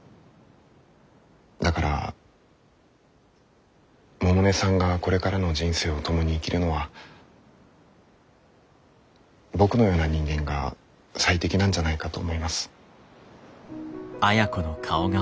だから百音さんがこれからの人生を共に生きるのは僕のような人間が最適なんじゃないかと思います。